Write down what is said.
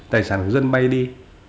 tài sản của dân bay đi